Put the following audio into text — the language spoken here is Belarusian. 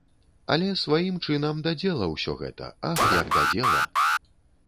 Але сваім чынам да дзела ўсё гэта, ах, як да дзела!